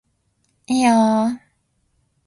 いいよー